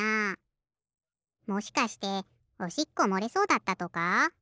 もしかしておしっこもれそうだったとか？